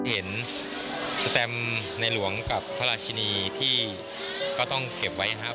เห็นสแตมในหลวงกับพระราชินีที่ก็ต้องเก็บไว้นะครับ